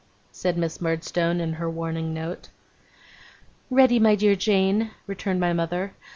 said Miss Murdstone, in her warning note. 'Ready, my dear Jane,' returned my mother.